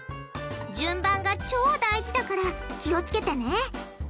順番が超大事だから気を付けてね。